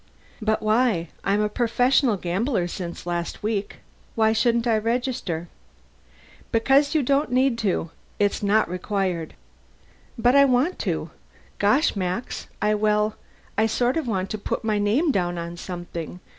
"But why? I'm a professional gambler, since last week. Why shouldn't I register?" "Because you don't need to. It's not required." "But I want to. Gosh, Max, I well, I sort of want to put my name down on something.